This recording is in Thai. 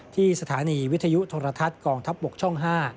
ที่สถานีวิทยุโทรทัศน์กองทัพบกช่อง๕